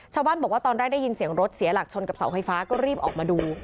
ชาวบ้านบอกว่าตอนแรกได้ยินเสียงรถเสียหลักชนกับเสาไฟฟ้าก็รีบออกมาดู